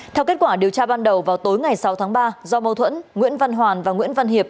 theo kết quả điều tra ban đầu vào tối ngày sáu tháng ba do mâu thuẫn nguyễn văn hoàn và nguyễn văn hiệp